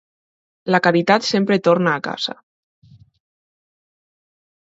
La caritat sempre torna a casa.